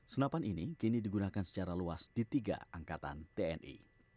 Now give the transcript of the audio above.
senapan ini kini digunakan secara luas di tiga angkatan tni